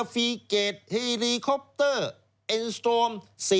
ทีลีคอปเตอร์เอ็นสโตรม